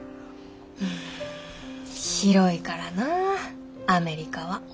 うん広いからなあアメリカは。